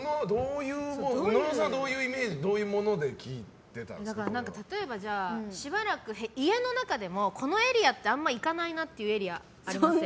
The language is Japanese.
野呂さんはどういうイメージ、物で例えば、しばらく家の中でもこのエリアってあんまり行かないなっていうエリアありません？